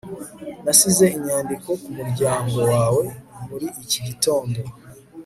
nasize inyandiko ku muryango wawe muri iki gitondo